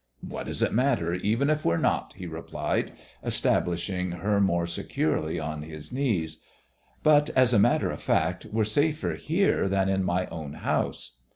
"What does it matter, even if we're not?" he replied, establishing her more securely on his knees. "But, as a matter of fact, we're safer here than in my own house."